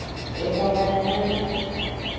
Exohayahaya.